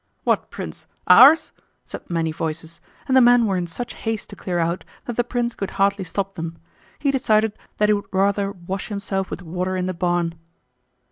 "What prince? Ours?" said many voices, and the men were in such haste to clear out that the prince could hardly stop them. He decided that he would rather wash himself with water in the barn.